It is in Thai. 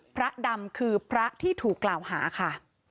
พระดำคือพระที่ถูกกล่าวหาค่ะ